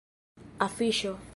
afiŝo